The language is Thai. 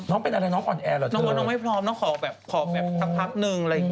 น้องว่าน้องไม่พร้อมน้องขอแบบสักพับหนึ่ง